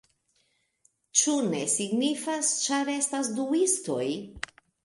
Ĉu ne signifas, ĉar estas du istoj?